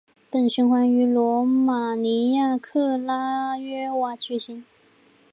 本循环于罗马尼亚克拉约瓦举行。